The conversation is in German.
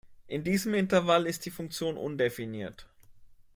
In diesem Intervall ist die Funktion undefiniert.